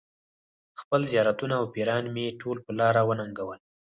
خپل زیارتونه او پیران مې ټول په لاره وننګول.